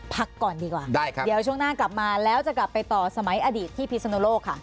พักก่อนดีกว่าได้ครับเดี๋ยวช่วงหน้ากลับมาแล้วจะกลับไปต่อสมัยอดีตที่พิศนุโลกค่ะ